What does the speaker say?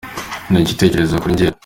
nk’icyitegererezo kuri njyewe.